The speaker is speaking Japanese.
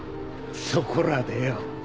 そこらでよ。